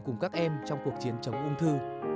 cùng các em trong cuộc chiến chống ung thư